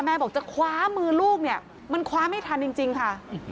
บอกจะคว้ามือลูกเนี่ยมันคว้าไม่ทันจริงค่ะ